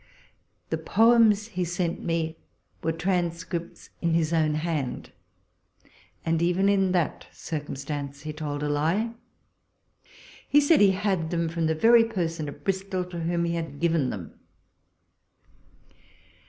Tlie poems he sent me were transcripts in his own hand, and even in that circumstance he told a lie : he said he had them from the very person at Bristol to whom he had given them.